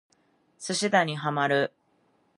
寿司打にハマる